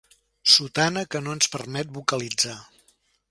Sotana que no ens permet vocalitzar.